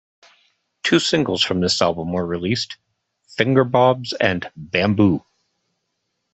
Two singles from this album were released: "Fingerbobs" and "Bamboo".